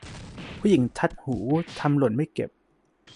ผู้หญิงทัดหู ทำหล่นไม่เก็บ